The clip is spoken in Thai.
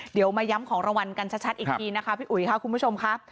เดี๋ยวมาย้ำของรางวัลกันชัดอีกทีนะคะพี่อุ๋ยค่ะคุณผู้ชมค่ะ